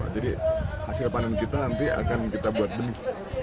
jadi hasil panen kita nanti akan kita buat benih